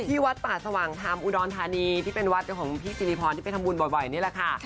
วัดป่าสว่างธรรมอุดรธานีที่เป็นวัดของพี่สิริพรที่ไปทำบุญบ่อยนี่แหละค่ะ